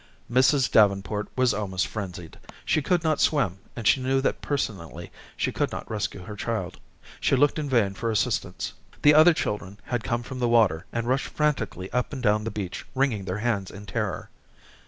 Mrs. Davenport was almost frenzied. She could not swim and she knew that personally she could not rescue her child. She looked in vain for assistance. The other children had come from the water, and rushed frantically up and down the beach wringing their hands in terror.